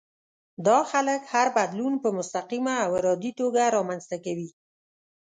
دا خلک هر بدلون په مستقيمه او ارادي توګه رامنځته کوي.